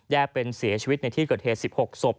เป็นเสียชีวิตในที่เกิดเหตุ๑๖ศพ